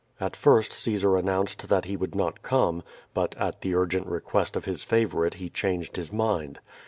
At first Caesar announced that he would not come, but at the urgent request of his favorite he changed his mind.